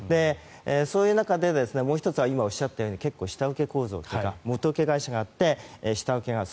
そういう中で、もう１つは今おっしゃったように下請け構造というか元請け業者があって下請けがある。